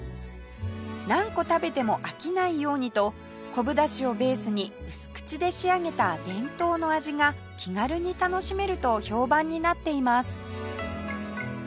何個食べても飽きないようにと昆布だしをベースに薄口で仕上げた伝統の味が気軽に楽しめると評判になっています